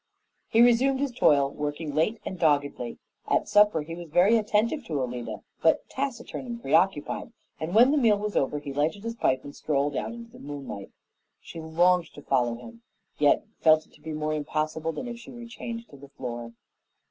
He resumed his toil, working late and doggedly. At supper he was very attentive to Alida, but taciturn and preoccupied; and when the meal was over he lighted his pipe and strolled out into the moonlight. She longed to follow him, yet felt it to be more impossible than if she were chained to the floor.